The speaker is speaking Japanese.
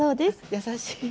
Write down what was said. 優しい。